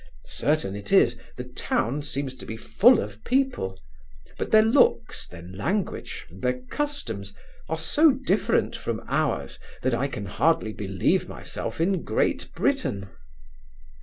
Certain it is, the town seems to be full of people: but their looks, their language, and their customs, are so different from ours, that I can hardly believe myself in Great Britain.